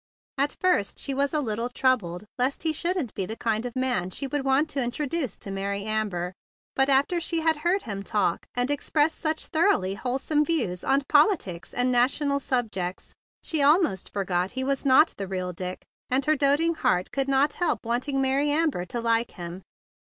At first she was a little troubled lest he shouldn't be the land of man she would want to introduce to Mary timber; but after she had heard him talk and ex 58 THE BIG BLUE SOLDIER * press such thoroughly wholesome views on politics and national subjects she almost forgot he was not the real Dick, and her doting heart could not help wanting Mary Amber to like him.